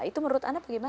itu menurut anda bagaimana